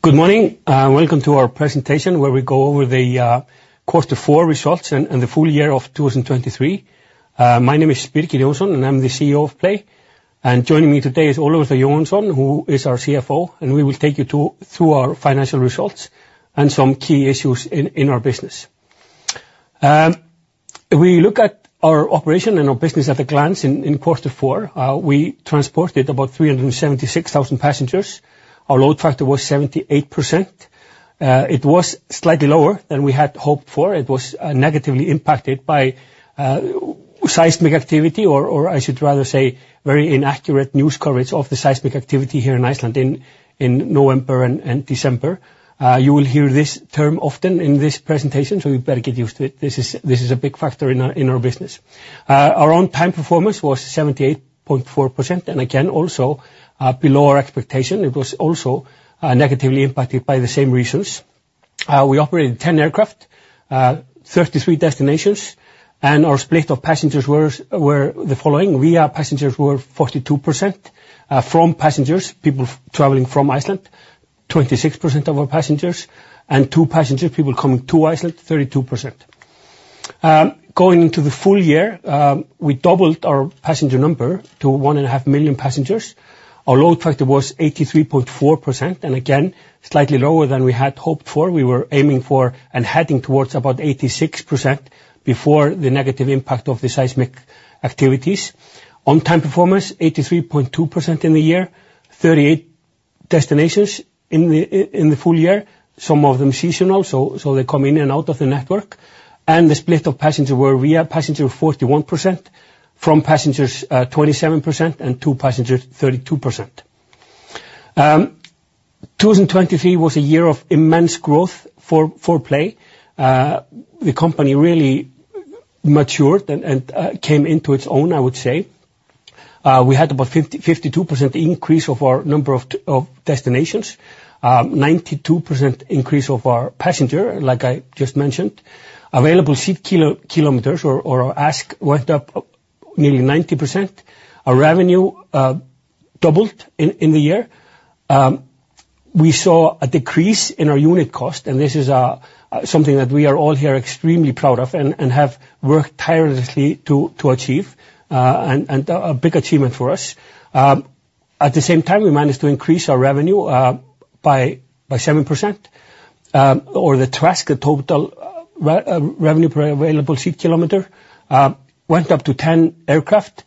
Good morning. Welcome to our presentation where we go over the quarter four results and the full year of 2023. My name is Birgir Jónsson, and I'm the CEO of PLAY. Joining me today is Ólafur Þór Jóhannesson, who is our CFO, and we will take you through our financial results and some key issues in our business. We look at our operation and our business at a glance in quarter four. We transported about 376,000 passengers. Our load factor was 78%. It was slightly lower than we had hoped for. It was negatively impacted by seismic activity or, or I should rather say very inaccurate news coverage of the seismic activity here in Iceland in November and December. You will hear this term often in this presentation, so you better get used to it. This is a big factor in our business. Our on-time performance was 78.4%, and again, also below our expectation. It was also negatively impacted by the same reasons. We operated 10 aircraft, 33 destinations, and our split of passengers was the following. Via passengers were 42%, From passengers, people traveling from Iceland, 26% of our passengers, and to passengers, people coming to Iceland, 32%. Going into the full year, we doubled our passenger number to 1.5 million passengers. Our load factor was 83.4%, and again, slightly lower than we had hoped for. We were aiming for and heading towards about 86% before the negative impact of the seismic activities. On-time performance 83.2% in the year, 38 destinations in the full year, some of them seasonal, so they come in and out of the network. The split of passengers was via passengers, 41%, from passengers, 27%, and to passengers, 32%. 2023 was a year of immense growth for PLAY. The company really matured and came into its own, I would say. We had about 50-52% increase of our number of destinations, 92% increase of our passengers, like I just mentioned. Available seat kilometers or our ASK went up nearly 90%. Our revenue doubled in the year. We saw a decrease in our unit cost, and this is something that we are all here extremely proud of and have worked tirelessly to achieve, and a big achievement for us. At the same time, we managed to increase our revenue by 7%, or the TRASK, total revenue per available seat kilometer, went up to 10 aircraft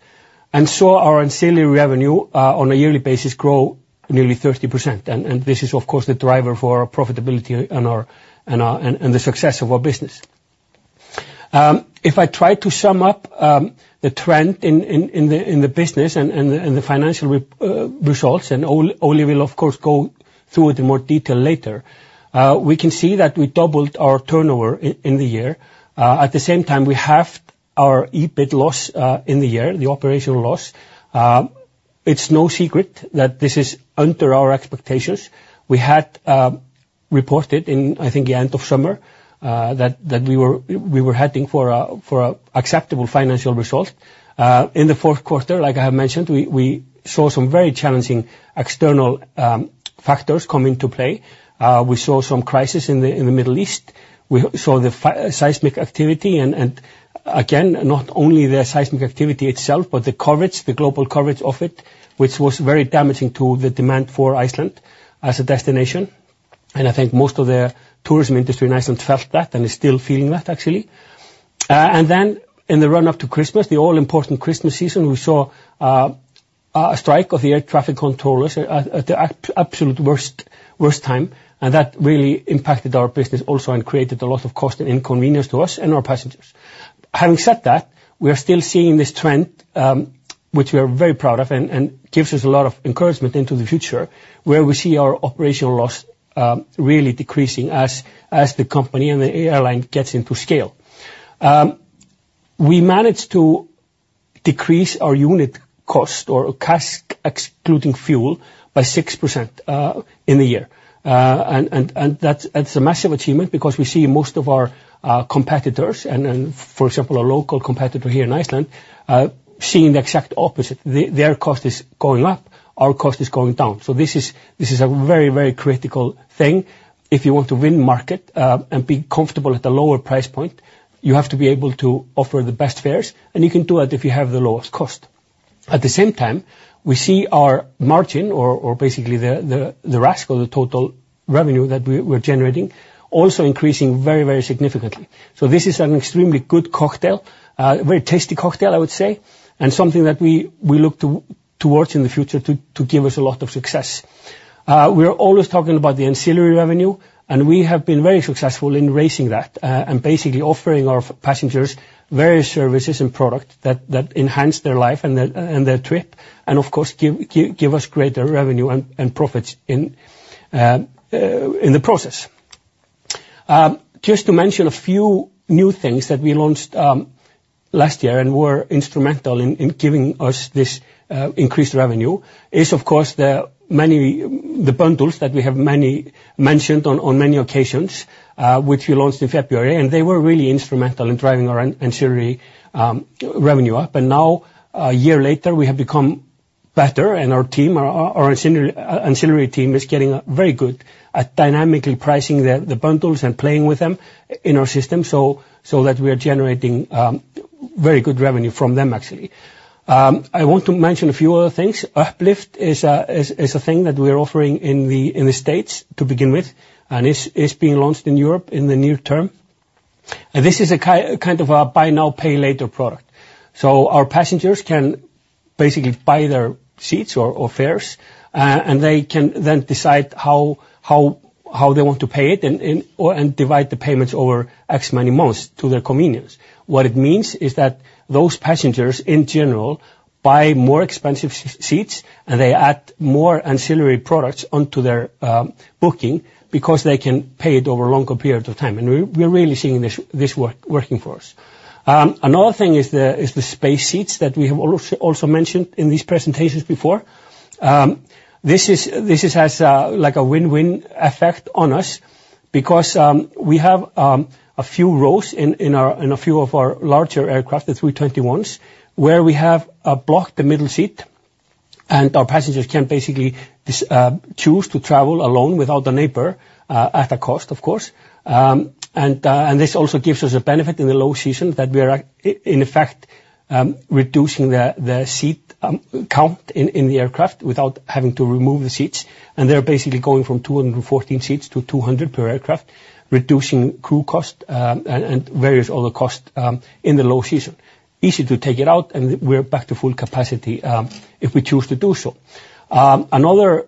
and saw our ancillary revenue, on a yearly basis, grow nearly 30%. And this is, of course, the driver for our profitability and our success of our business. If I try to sum up the trend in the business and the financial results, and Óli will, of course, go through it in more detail later, we can see that we doubled our turnover in the year. At the same time, we halved our EBIT loss in the year, the operational loss. It's no secret that this is under our expectations. We had reported, I think, at the end of summer, that we were heading for an acceptable financial result. In the fourth quarter, like I have mentioned, we saw some very challenging external factors come into play. We saw some crisis in the Middle East. We saw the seismic activity and, again, not only the seismic activity itself, but the coverage, the global coverage of it, which was very damaging to the demand for Iceland as a destination. And I think most of the tourism industry in Iceland felt that and is still feeling that, actually. Then in the run-up to Christmas, the all-important Christmas season, we saw a strike of the air traffic controllers at the absolute worst time, and that really impacted our business also and created a lot of cost and inconvenience to us and our passengers. Having said that, we are still seeing this trend, which we are very proud of and gives us a lot of encouragement into the future where we see our operational loss really decreasing as the company and the airline gets into scale. We managed to decrease our unit cost or CASK excluding fuel by 6% in the year. And that's a massive achievement because we see most of our competitors and, for example, our local competitor here in Iceland, seeing the exact opposite. Their cost is going up. Our cost is going down. So this is a very, very critical thing. If you want to win market, and be comfortable at a lower price point, you have to be able to offer the best fares, and you can do that if you have the lowest cost. At the same time, we see our margin or basically the RASK or the total revenue that we were generating also increasing very, very significantly. So this is an extremely good cocktail, very tasty cocktail, I would say, and something that we look towards in the future to give us a lot of success. We are always talking about the ancillary revenue, and we have been very successful in raising that, and basically offering our passengers various services and products that enhance their life and their trip and, of course, give us greater revenue and profits in the process. Just to mention a few new things that we launched last year and were instrumental in giving us this increased revenue is, of course, the bundles that we have mentioned on many occasions, which we launched in February, and they were really instrumental in driving our ancillary revenue up. Now, a year later, we have become better, and our team, our ancillary team is getting very good at dynamically pricing the bundles and playing with them in our system so that we are generating very good revenue from them, actually. I want to mention a few other things. Uplift is a thing that we are offering in the States to begin with and is being launched in Europe in the near term. This is a kind of a buy-now, pay-later product. Our passengers can basically buy their seats or fares, and they can then decide how they want to pay it and or divide the payments over X many months to their convenience. What it means is that those passengers, in general, buy more expensive seats, and they add more ancillary products onto their booking because they can pay it over a longer period of time. We are really seeing this working for us. Another thing is the Space Seats that we have always also mentioned in these presentations before. This is, like, a win-win effect on us because we have a few rows in a few of our larger aircraft, the 321s, where we have blocked the middle seat, and our passengers can basically choose to travel alone without a neighbor, at a cost, of course. This also gives us a benefit in the low season that we are in effect reducing the seat count in the aircraft without having to remove the seats. They're basically going from 214 seats to 200 per aircraft, reducing crew cost, and various other costs, in the low season. Easy to take it out, and we're back to full capacity, if we choose to do so. Another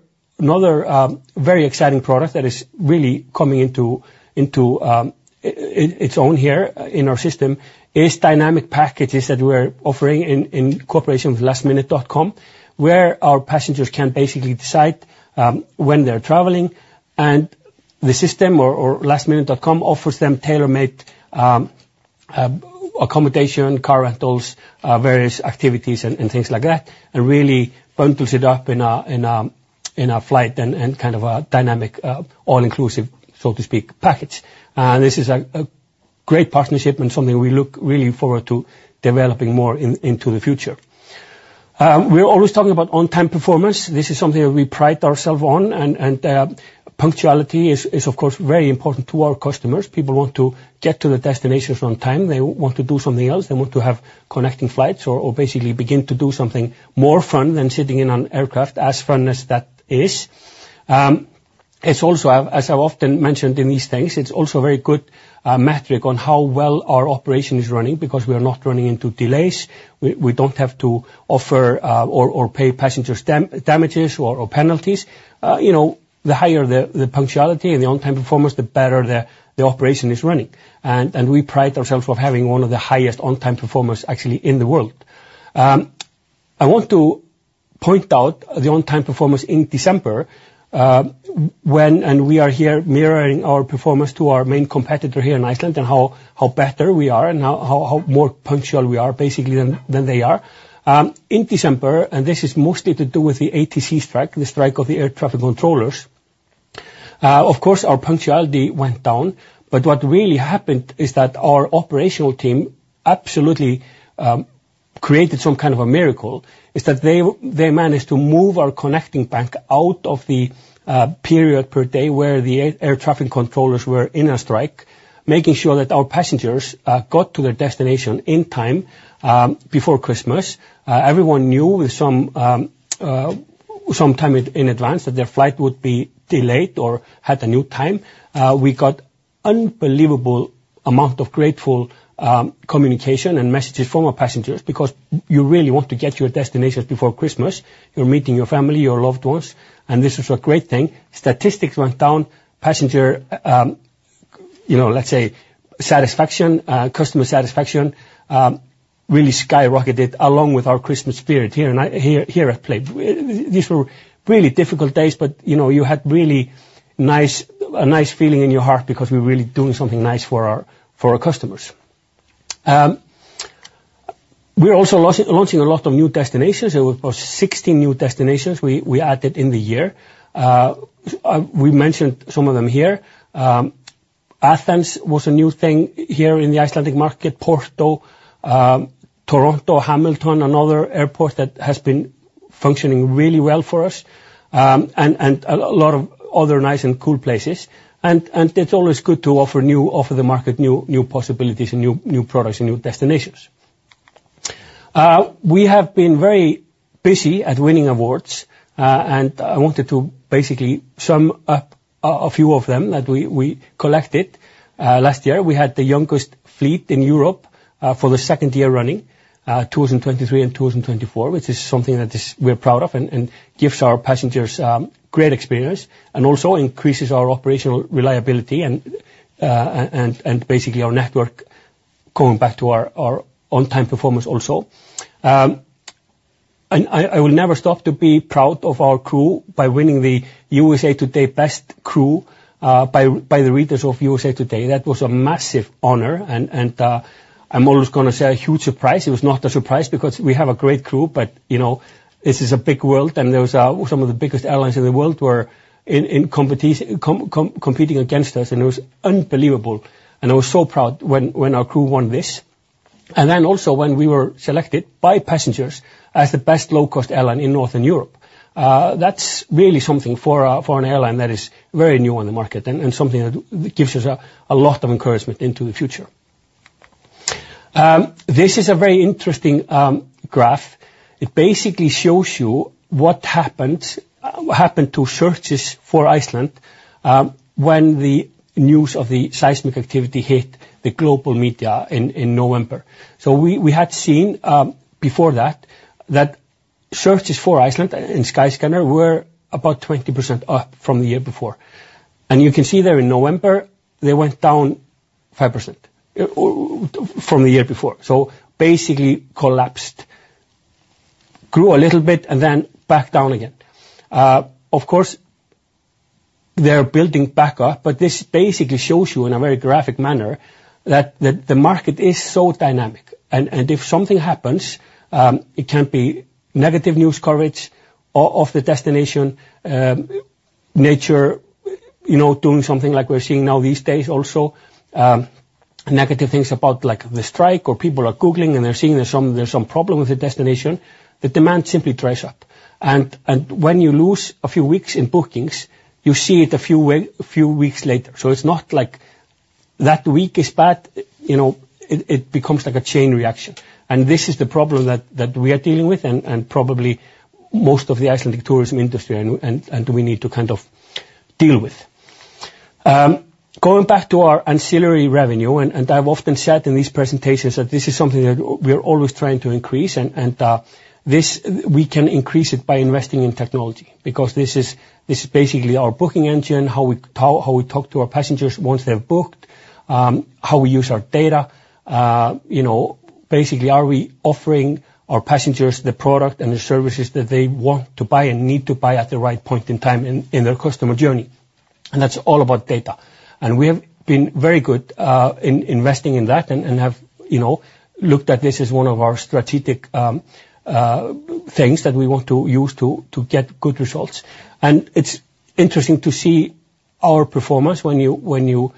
very exciting product that is really coming into its own here in our system is dynamic packages that we are offering in cooperation with lastminute.com where our passengers can basically decide, when they're traveling, and the system or lastminute.com offers them tailor-made accommodation, car rentals, various activities, and things like that, and really bundles it up in a flight and kind of a dynamic, all-inclusive, so to speak, package. This is a great partnership and something we look really forward to developing more into the future. We are always talking about on-time performance. This is something that we pride ourselves on, and punctuality is, of course, very important to our customers. People want to get to the destinations on time. They want to do something else. They want to have connecting flights or basically begin to do something more fun than sitting in an aircraft, as fun as that is. It's also, as I've often mentioned in these things, a very good metric on how well our operation is running because we are not running into delays. We don't have to offer or pay passengers damages or penalties. You know, the higher the punctuality and the on-time performance, the better the operation is running. And we pride ourselves on having one of the highest on-time performance, actually, in the world. I want to point out the on-time performance in December, and we are here mirroring our performance to our main competitor here in Iceland and how better we are and how more punctual we are, basically, than they are. In December, and this is mostly to do with the ATC strike, the strike of the air traffic controllers, of course, our punctuality went down. But what really happened is that our operational team absolutely created some kind of a miracle is that they managed to move our connecting bank out of the period per day where the air traffic controllers were in a strike, making sure that our passengers got to their destination in time, before Christmas. Everyone knew with some time in advance that their flight would be delayed or had a new time. We got unbelievable amount of grateful, communication and messages from our passengers because you really want to get to your destinations before Christmas. You're meeting your family, your loved ones, and this is a great thing. Statistics went down. Passenger, you know, let's say satisfaction, customer satisfaction, really skyrocketed along with our Christmas spirit here in here at PLAY. While these were really difficult days, but, you know, you had really nice feeling in your heart because we were really doing something nice for our customers. We are also launching a lot of new destinations. It was about 16 new destinations we added in the year. We mentioned some of them here. Athens was a new thing here in the Icelandic market, Porto, Toronto, Hamilton, another airport that has been functioning really well for us, and, and a lot of other nice and cool places. And, and it's always good to offer new off-the-market new, new possibilities and new, new products and new destinations. We have been very busy at winning awards, and I wanted to basically sum up a, a few of them that we, we collected. Last year, we had the youngest fleet in Europe, for the second year running, 2023 and 2024, which is something that is we are proud of and, and gives our passengers, great experience and also increases our operational reliability and, and, and basically our network going back to our, our on-time performance also. I will never stop to be proud of our crew by winning the USA Today Best Crew by the readers of USA Today. That was a massive honor, and I'm always gonna say a huge surprise. It was not a surprise because we have a great crew, but you know, this is a big world, and some of the biggest airlines in the world were competing against us, and it was unbelievable. And I was so proud when our crew won this. And then also when we were selected by passengers as the best low-cost airline in Northern Europe. That's really something for an airline that is very new on the market and something that gives us a lot of encouragement into the future. This is a very interesting graph. It basically shows you what happened to searches for Iceland, when the news of the seismic activity hit the global media in November. So we had seen, before that searches for Iceland in Skyscanner were about 20% up from the year before. And you can see there in November, they went down 5% from the year before. So basically collapsed, grew a little bit, and then back down again. Of course, they're building back up, but this basically shows you in a very graphic manner that the market is so dynamic. And if something happens, it can be negative news coverage of the destination, nature, you know, doing something like we're seeing now these days also, negative things about, like, the strike or people are googling and they're seeing there's some problem with the destination, the demand simply dries up. And when you lose a few weeks in bookings, you see it a few weeks later. So it's not like that week is bad. You know, it becomes like a chain reaction. And this is the problem that we are dealing with and we need to kind of deal with. Going back to our ancillary revenue, and I've often said in these presentations that this is something that we are always trying to increase, and this we can increase it by investing in technology because this is basically our booking engine, how we talk to our passengers once they've booked, how we use our data. You know, basically, are we offering our passengers the product and the services that they want to buy and need to buy at the right point in time in their customer journey? That's all about data. We have been very good in investing in that and have, you know, looked at this as one of our strategic things that we want to use to get good results. It's interesting to see our performance when you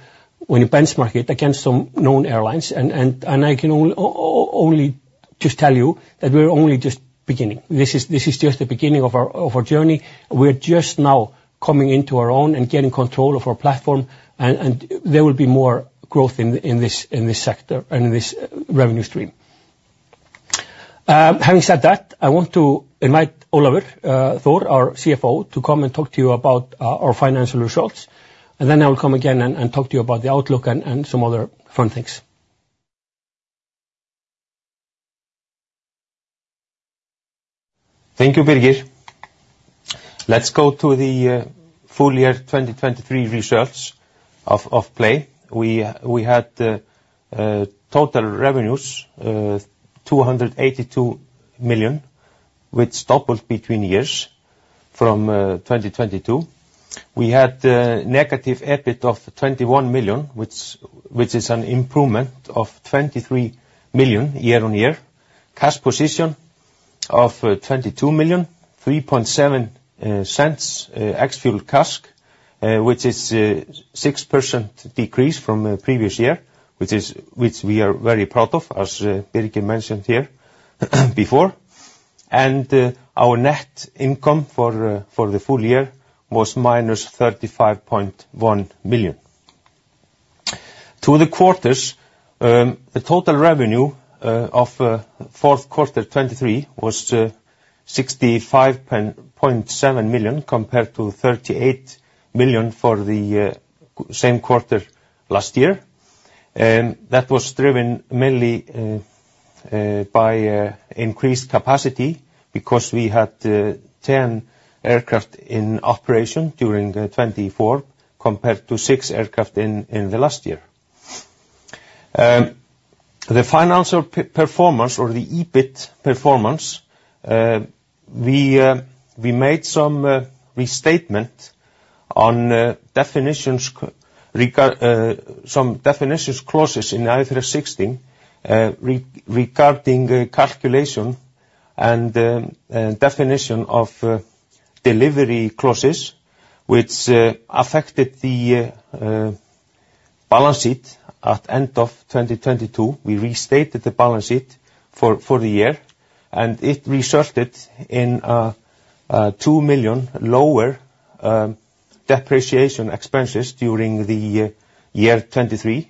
benchmark it against some known airlines. I can only just tell you that we're only just beginning. This is just the beginning of our journey. We are just now coming into our own and getting control of our platform, and there will be more growth in this sector and in this revenue stream. Having said that, I want to invite Ólafur Þór, our CFO, to come and talk to you about our financial results. And then I will come again and talk to you about the outlook and some other fun things. Thank you, Birgir. Let's go to the full year 2023 results of PLAY. We had total revenues $282 million, which doubled between years from 2022. We had a negative EBIT of $21 million, which is an improvement of $23 million year on year. Cash position of $22 million, 3.7 cents ex-fuel CASK, which is a 6% decrease from the previous year, which we are very proud of, as Birgir mentioned here before. Our net income for the full year was minus $35.1 million. For the quarter, the total revenue of fourth quarter 2023 was $65.7 million compared to $38 million for the same quarter last year. That was driven mainly by increased capacity because we had 10 aircraft in operation during 2024 compared to 6 aircraft in the last year. The financial performance or the EBIT performance, we made some restatement on definitions regarding some definitions clauses in IFRS 16, regarding calculation and definition of delivery clauses, which affected the balance sheet at end of 2022. We restated the balance sheet for the year, and it resulted in $2 million lower depreciation expenses during the year 2023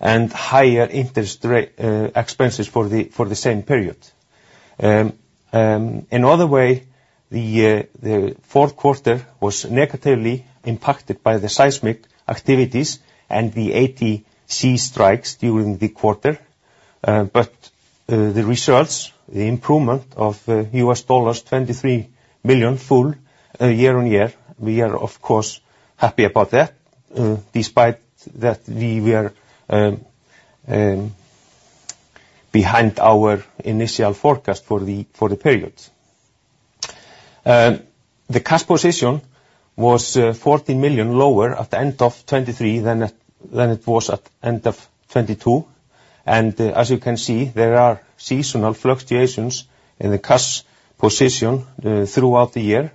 and higher interest rate expenses for the same period. In other way, the fourth quarter was negatively impacted by the seismic activities and the ATC strikes during the quarter. The results, the improvement of $23 million full year-on-year, we are, of course, happy about that, despite that we are behind our initial forecast for the period. The cash position was $14 million lower at the end of 2023 than it was at the end of 2022. As you can see, there are seasonal fluctuations in the cash position throughout the year.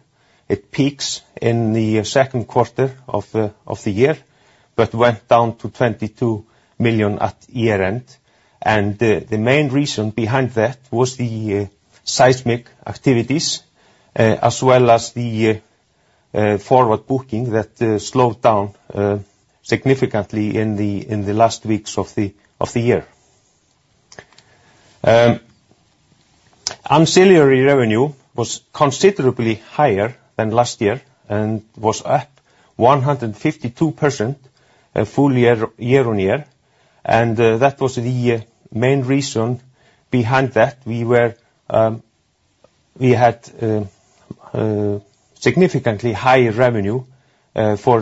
It peaks in the second quarter of the year but went down to $22 million at year-end. The main reason behind that was the seismic activities, as well as the forward booking that slowed down significantly in the last weeks of the year. Ancillary revenue was considerably higher than last year and was up 152% full year-on-year. That was the main reason behind that. We had significantly higher revenue for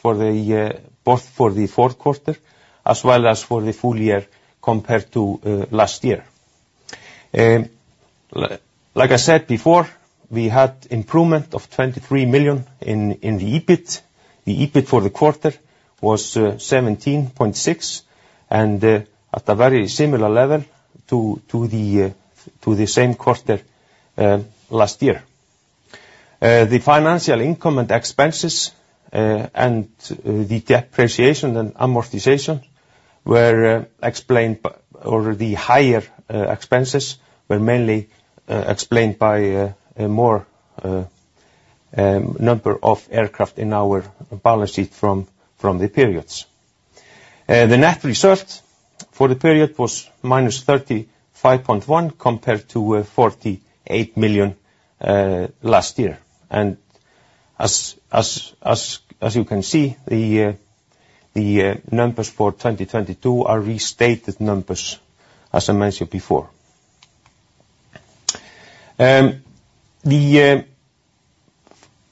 both the fourth quarter as well as for the full year compared to last year. Like I said before, we had improvement of $23 million in the EBIT. The EBIT for the quarter was $17.6 million and at a very similar level to the same quarter last year. The financial income and expenses and the depreciation and amortization were explained by or the higher expenses were mainly explained by a higher number of aircraft in our balance sheet from the periods. The net result for the period was -$35.1 million compared to $48 million last year. And as you can see, the numbers for 2022 are restated numbers, as I mentioned before. In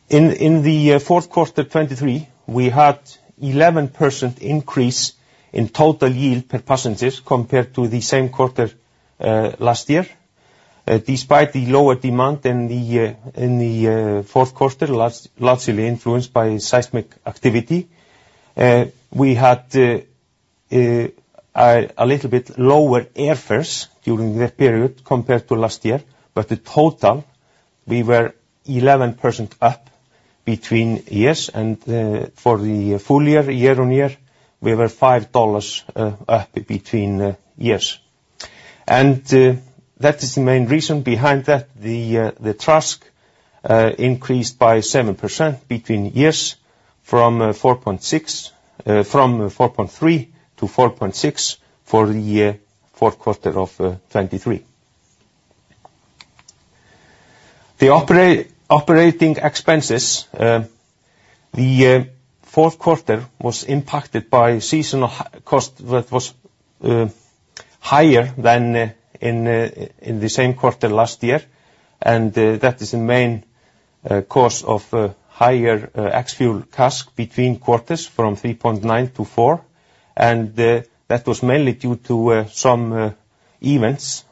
the fourth quarter 2023, we had 11% increase in total yield per passengers compared to the same quarter last year. Despite the lower demand in the fourth quarter, largely influenced by seismic activity, we had a little bit lower airfares during that period compared to last year. But the total, we were 11% up between years. For the full year, year on year, we were 5% up between years. And that is the main reason behind that. The CASK increased by 7% between years from 4.3 to 4.6 for the fourth quarter of 2023. The operating expenses, the fourth quarter was impacted by seasonal cost that was higher than in the same quarter last year. And that is the main cause of higher ex-fuel CASK between quarters from 3.9 to 4. That was mainly due to some events,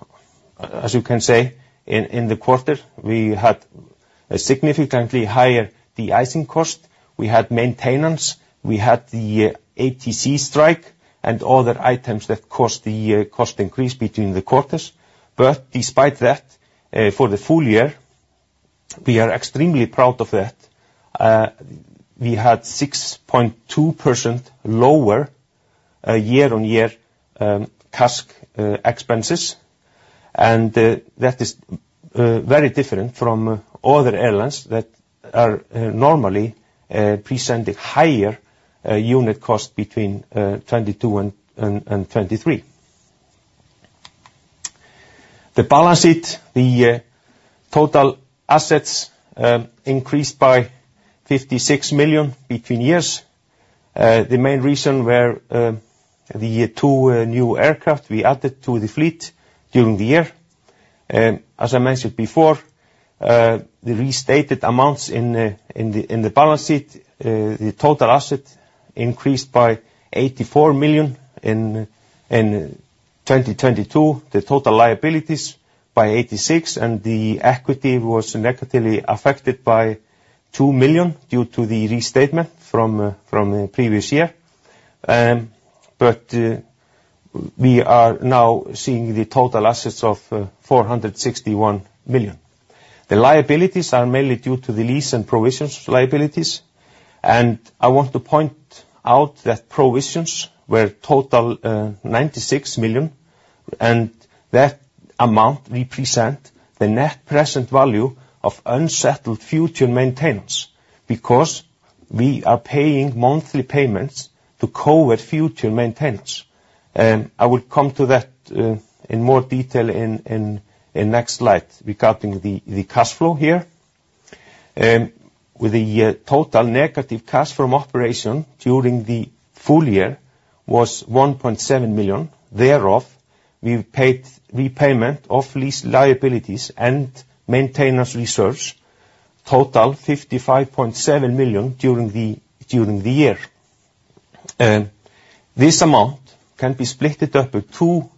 as you can say, in the quarter. We had a significantly higher de-icing cost. We had maintenance. We had the ATC strike and other items that caused the cost increase between the quarters. But despite that, for the full year, we are extremely proud of that. We had 6.2% lower year-on-year CASK expenses. And that is very different from other airlines that are normally presenting higher unit cost between 2022 and 2023. The balance sheet, the total assets, increased by $56 million between years. The main reason were the 2 new aircraft we added to the fleet during the year. As I mentioned before, the restated amounts in the balance sheet, the total asset increased by $84 million in 2022, the total liabilities by $86 million, and the equity was negatively affected by $2 million due to the restatement from the previous year. We are now seeing the total assets of $461 million. The liabilities are mainly due to the lease and provisions liabilities. I want to point out that provisions were total $96 million, and that amount represent the net present value of unsettled future maintenance because we are paying monthly payments to cover future maintenance. I will come to that in more detail in next slide regarding the cash flow here. With the total negative cash from operation during the full year was $1.7 million. Thereof, we paid repayment of lease liabilities and maintenance reserves, total $55.7 million during the year. This amount can be split up in two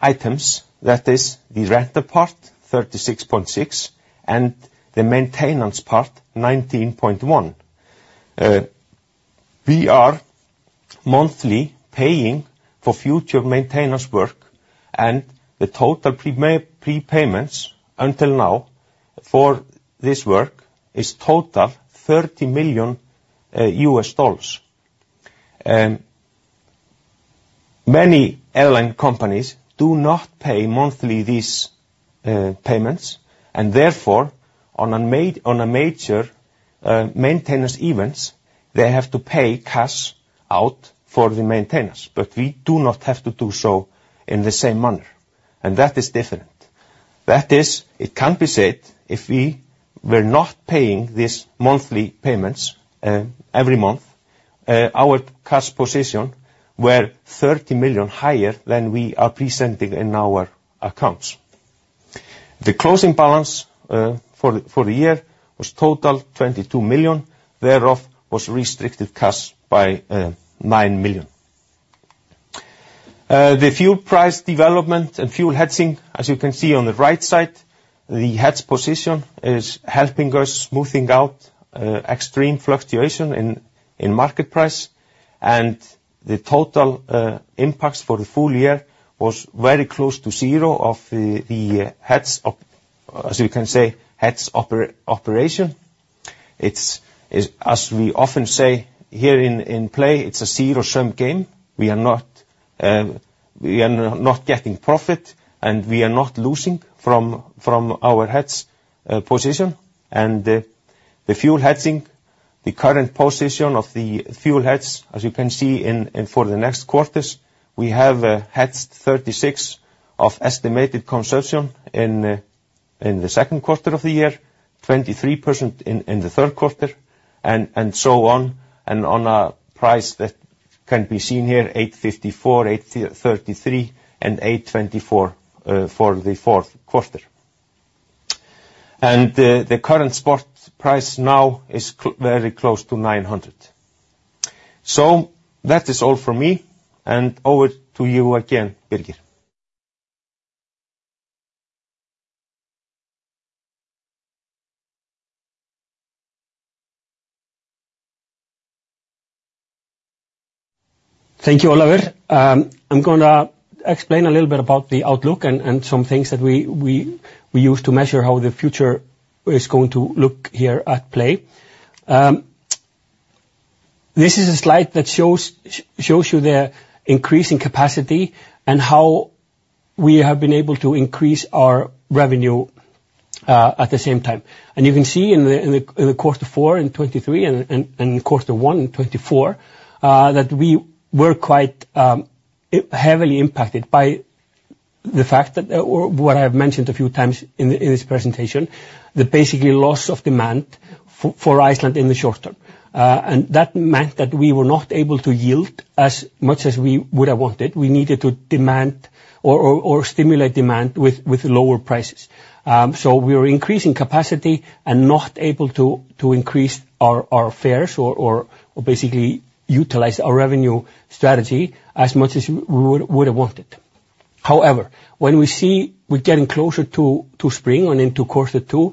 items. That is the rental part, $36.6 million, and the maintenance part, $19.1 million. We are monthly paying for future maintenance work, and the total prepayments until now for this work is total $30 million. Many airline companies do not pay monthly these payments, and therefore, on a major maintenance event, they have to pay cash out for the maintenance. But we do not have to do so in the same manner. And that is different. That is, it can be said if we were not paying these monthly payments, every month, our cash position were $30 million higher than we are presenting in our accounts. The closing balance for the year was total $22 million. Thereof, was restricted cash by $9 million. The fuel price development and fuel hedging, as you can see on the right side, the hedge position is helping us smoothing out extreme fluctuation in market price. And the total impacts for the full year was very close to zero of the hedge operation. It's as we often say here in PLAY, it's a zero-sum game. We are not getting profit, and we are not losing from our hedge position. The fuel hedging, the current position of the fuel hedge, as you can see in for the next quarters, we have hedged 36% of estimated consumption in the second quarter of the year, 23% in the third quarter, and so on, and on a price that can be seen here, $854, $833, and $824, for the fourth quarter. The current spot price now is very close to $900. So that is all from me. Over to you again, Birgir. Thank you, Ólafur. I'm gonna explain a little bit about the Outlook and some things that we use to measure how the future is going to look here at PLAY. This is a slide that shows you the increasing capacity and how we have been able to increase our revenue, at the same time. And you can see in the quarter four in 2023 and quarter one in 2024, that we were quite heavily impacted by the fact that, or what I have mentioned a few times in this presentation, the basically loss of demand for Iceland in the short term. And that meant that we were not able to yield as much as we would have wanted. We needed to demand or stimulate demand with lower prices. So we were increasing capacity and not able to increase our fares or basically utilize our revenue strategy as much as we would have wanted. However, when we see we're getting closer to spring and into quarter two,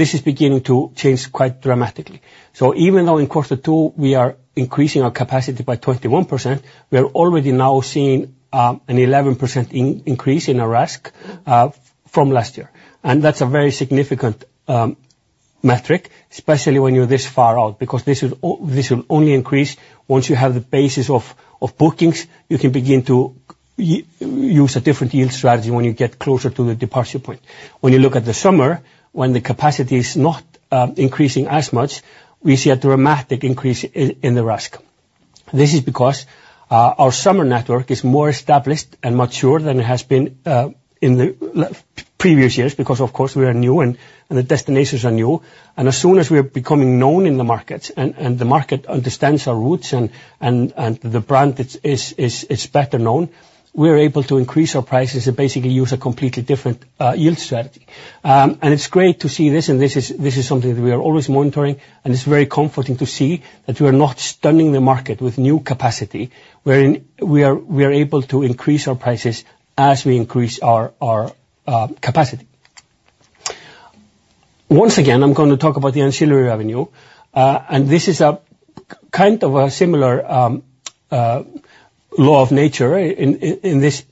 this is beginning to change quite dramatically. So even though in quarter two, we are increasing our capacity by 21%, we are already now seeing an 11% increase in our ASK from last year. And that's a very significant metric, especially when you're this far out because this will only increase once you have the basis of bookings. You can begin to use a different yield strategy when you get closer to the departure point. When you look at the summer, when the capacity is not increasing as much, we see a dramatic increase in the RASK. This is because our summer network is more established and mature than it has been in the previous years because, of course, we are new and the destinations are new. And as soon as we are becoming known in the markets and the market understands our roots and the brand it's better known, we are able to increase our prices and basically use a completely different yield strategy. And it's great to see this, and this is something that we are always monitoring, and it's very comforting to see that we are not stunning the market with new capacity. We are able to increase our prices as we increase our capacity. Once again, I'm gonna talk about the ancillary revenue. This is a kind of a similar law of nature in this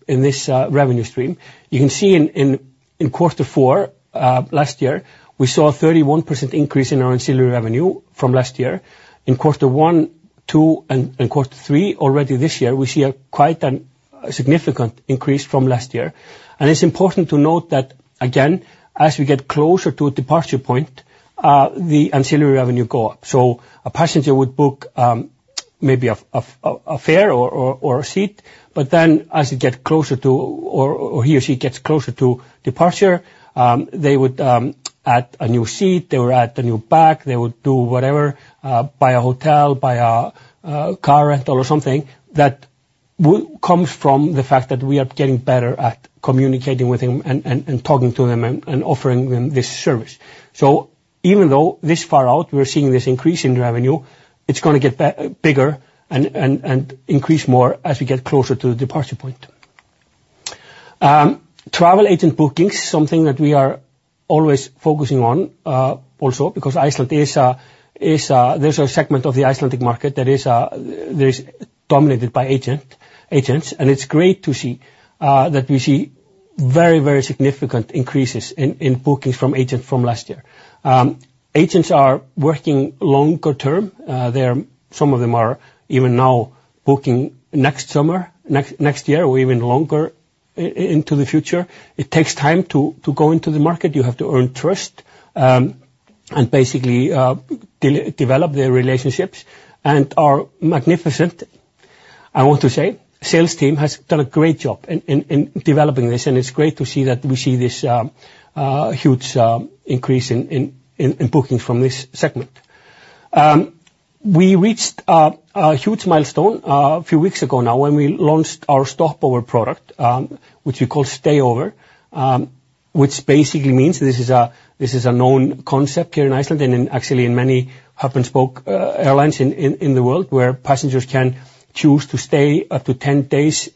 revenue stream. You can see in quarter four last year, we saw a 31% increase in our ancillary revenue from last year. In quarter one, two, and quarter three already this year, we see a quite significant increase from last year. And it's important to note that, again, as we get closer to a departure point, the ancillary revenue go up. So a passenger would book maybe a fare or a seat, but then as you get closer to or he or she gets closer to departure, they would add a new seat. They would add a new bag. They would do whatever, buy a hotel, buy a car rental or something that which comes from the fact that we are getting better at communicating with them and talking to them and offering them this service. So even though this far out, we're seeing this increase in revenue, it's gonna get bigger and increase more as we get closer to the departure point. Travel agent bookings, something that we are always focusing on, also because Iceland is a there's a segment of the Icelandic market that is dominated by agents. And it's great to see that we see very, very significant increases in bookings from agents from last year. Agents are working longer term. Some of them are even now booking next summer, next year, or even longer into the future. It takes time to go into the market. You have to earn trust, and basically, develop their relationships. And our magnificent, I want to say, sales team has done a great job in developing this, and it's great to see that we see this huge increase in bookings from this segment. We reached a huge milestone a few weeks ago now when we launched our stopover product, which we call StayOver, which basically means this is a known concept here in Iceland and actually in many hub-and-spoke airlines in the world where passengers can choose to stay up to 10 days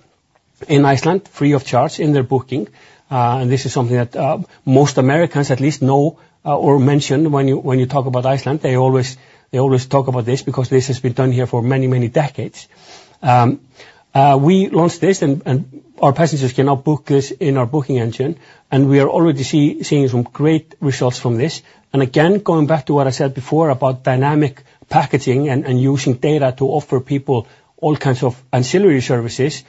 in Iceland free of charge in their booking. And this is something that most Americans at least know or mention when you talk about Iceland. They always they always talk about this because this has been done here for many, many decades. We launched this, and, and our passengers cannot book this in our booking engine, and we are already seeing some great results from this. And again, going back to what I said before about dynamic packaging and, and using data to offer people all kinds of ancillary services,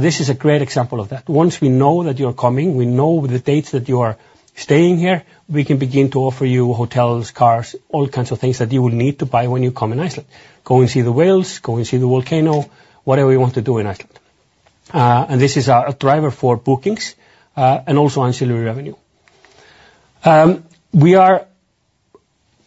this is a great example of that. Once we know that you're coming, we know the dates that you are staying here, we can begin to offer you hotels, cars, all kinds of things that you will need to buy when you come in Iceland. Go and see the whales. Go and see the volcano. Whatever you want to do in Iceland. And this is a, a driver for bookings, and also ancillary revenue. We are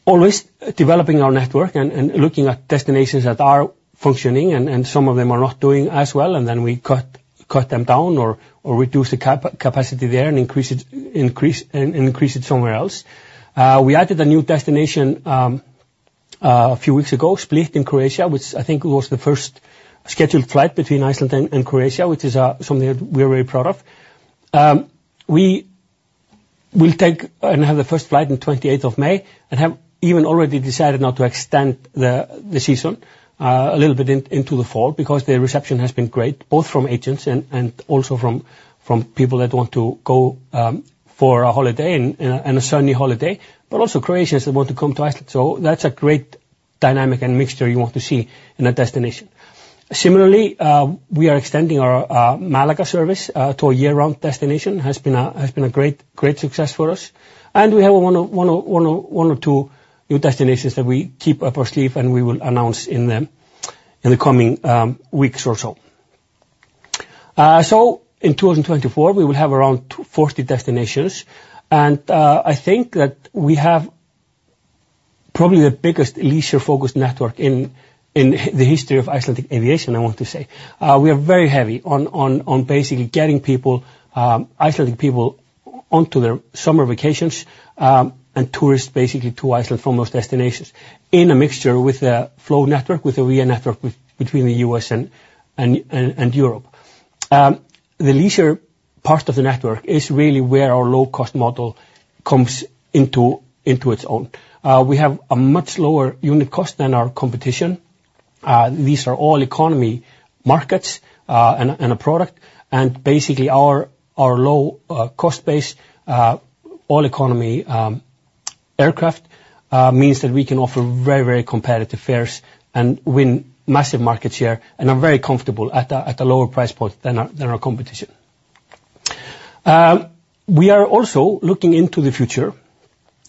always developing our network and looking at destinations that are functioning, and some of them are not doing as well, and then we cut them down or reduce the capacity there and increase it and increase it somewhere else. We added a new destination, a few weeks ago, Split in Croatia, which I think was the first scheduled flight between Iceland and Croatia, which is something that we are very proud of. We will take and have the first flight on 28th of May and have even already decided now to extend the season a little bit into the fall because the reception has been great, both from agents and also from people that want to go for a holiday in a sunny holiday, but also Croatians that want to come to Iceland. So that's a great dynamic and mixture you want to see in a destination. Similarly, we are extending our Málaga service to a year-round destination. Has been a great, great success for us. And we have one or two new destinations that we keep up our sleeve, and we will announce in the coming weeks or so. So in 2024, we will have around 40 destinations. And I think that we have probably the biggest leisure-focused network in the history of Icelandic aviation, I want to say. We are very heavy on basically getting people, Icelandic people onto their summer vacations, and tourists basically to Iceland from those destinations in a mixture with a flow network, with a via network with between the US and Europe. The leisure part of the network is really where our low-cost model comes into its own. We have a much lower unit cost than our competition. These are all economy markets, and a product. And basically, our low-cost-based, all-economy aircraft means that we can offer very, very competitive fares and win massive market share and are very comfortable at a lower price point than our competition. We are also looking into the future,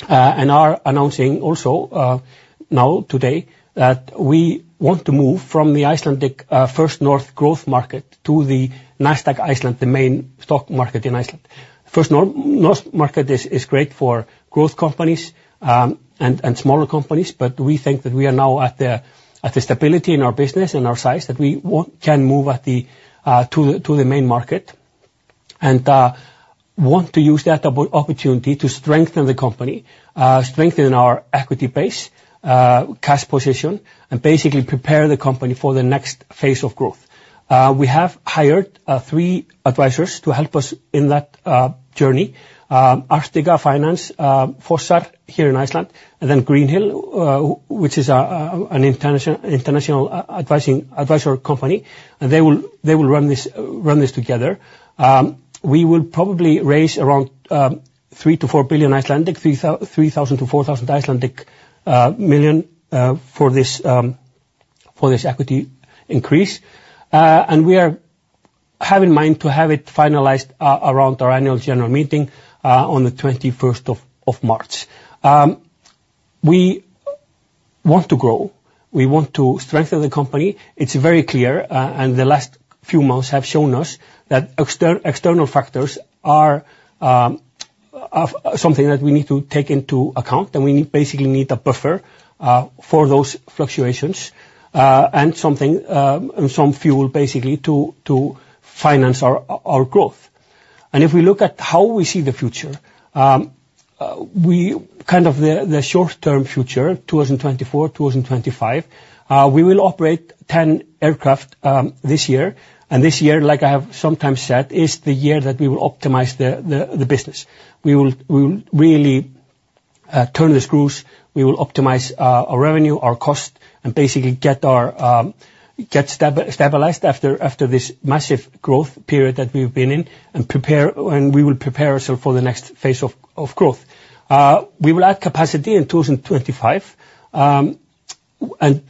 and are announcing also, now, today, that we want to move from the Nasdaq First North Growth Market Iceland to the Nasdaq Iceland, the main stock market in Iceland. First North market is great for growth companies, and smaller companies, but we think that we are now at the stability in our business and our size that we want to move to the main market and want to use that opportunity to strengthen the company, strengthen our equity base, cash position, and basically prepare the company for the next phase of growth. We have hired three advisors to help us in that journey, Arctica Finance, Fossar here in Iceland, and then Greenhill, which is an international advising company, and they will run this together. We will probably raise around 3-4 billion ISK, 3,000-4,000 million ISK, for this equity increase. and we have in mind to have it finalized around our annual general meeting on the 21st of March. We want to grow. We want to strengthen the company. It's very clear, and the last few months have shown us that external factors are something that we need to take into account, and we basically need a buffer for those fluctuations, and some fuel, basically, to finance our growth. And if we look at how we see the future, we kind of see the short-term future, 2024, 2025, we will operate 10 aircraft this year. And this year, like I have sometimes said, is the year that we will optimize the business. We will really turn the screws. We will optimize our revenue, our cost, and basically get our, get stabilized after, after this massive growth period that we've been in and prepare and we will prepare ourselves for the next phase of, of growth. We will add capacity in 2025, and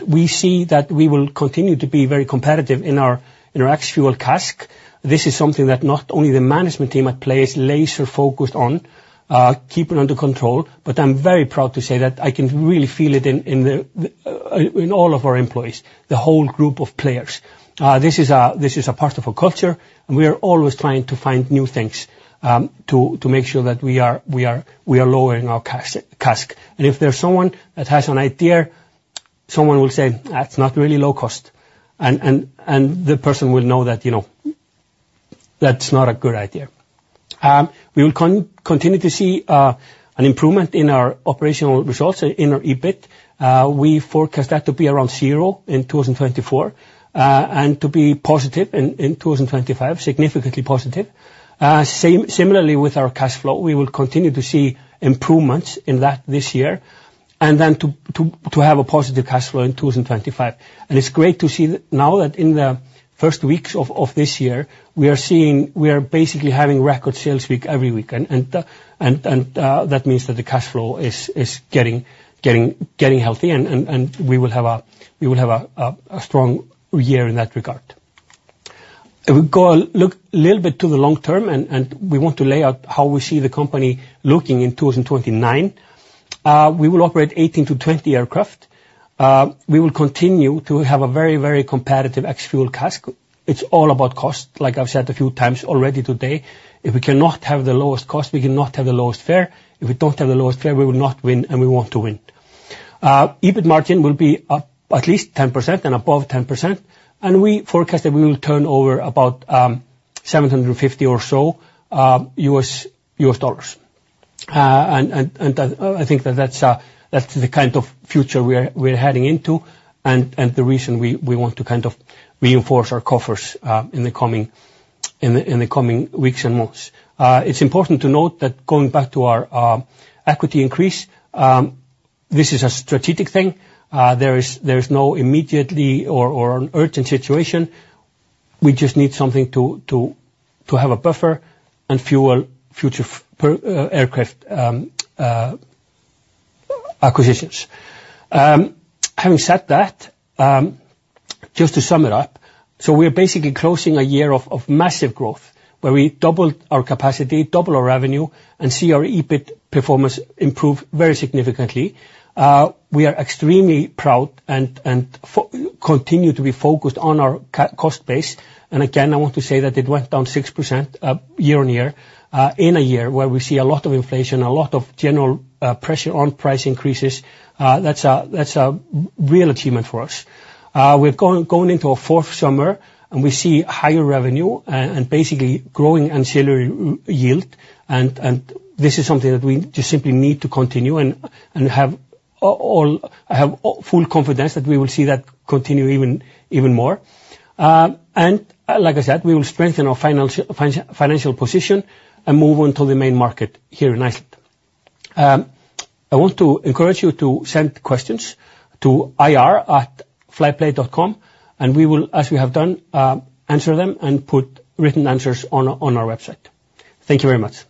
we see that we will continue to be very competitive in our in our ex-fuel CASK. This is something that not only the management team at PLAY is laser-focused on, keeping under control, but I'm very proud to say that I can really feel it in, in the thing in all of our employees, the whole group of PLAYers. This is a this is a part of our culture, and we are always trying to find new things, to, to make sure that we are we are we are lowering our CASK. And if there's someone that has an idea, someone will say, "That's not really low cost," and the person will know that, you know, that's not a good idea. We will continue to see an improvement in our operational results in our EBIT. We forecast that to be around zero in 2024, and to be positive in 2025, significantly positive. Similarly with our cash flow, we will continue to see improvements in that this year and then to have a positive cash flow in 2025. It's great to see now that in the first weeks of this year, we are seeing we are basically having record sales week every week, and that means that the cash flow is getting healthy, and we will have a strong year in that regard. If we go and look a little bit to the long term and we want to lay out how we see the company looking in 2029, we will operate 18-20 aircraft. We will continue to have a very competitive ex-fuel CASK. It's all about cost, like I've said a few times already today. If we cannot have the lowest cost, we cannot have the lowest fare. If we don't have the lowest fare, we will not win, and we want to win. EBIT margin will be at least 10% and above 10%, and we forecast that we will turn over about $750 or so. And I think that that's the kind of future we are heading into and the reason we want to kind of reinforce our coffers in the coming weeks and months. It is important to note that going back to our equity increase, this is a strategic thing. There is no immediate or urgent situation. We just need something to have a buffer and fuel future per aircraft acquisitions. Having said that, just to sum it up, so we are basically closing a year of massive growth where we doubled our capacity, doubled our revenue, and see our EBIT performance improve very significantly. We are extremely proud and continue to be focused on our cost base. And again, I want to say that it went down 6%, year-on-year, in a year where we see a lot of inflation, a lot of general pressure on price increases. That's a real achievement for us. We're going into a fourth summer, and we see higher revenue and basically growing ancillary yield. And this is something that we just simply need to continue and have all. I have full confidence that we will see that continue even more. And like I said, we will strengthen our financial position and move onto the main market here in Iceland. I want to encourage you to send questions to ir@flyplay.com, and we will, as we have done, answer them and put written answers on our website. Thank you very much.